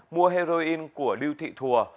mua heroin của lưu thị thùa